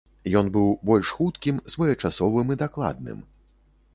Ён быў больш хуткім, своечасовым і дакладным.